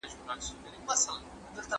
دورکهایم ټولنیز واقعیت په څو برخو وېسي؟